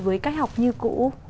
với cách học như cũ